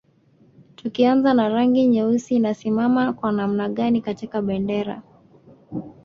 Tukianza na rangi nyeusi inasimama kwa namna gani katika bendera